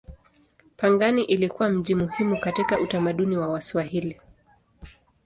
Pangani ilikuwa mji muhimu katika utamaduni wa Waswahili.